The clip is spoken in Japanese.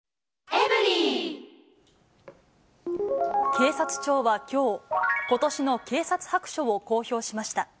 警察庁はきょう、ことしの警察白書を公表しました。